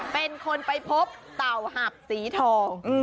เป็นคนไปพบเต่าหับสีทอง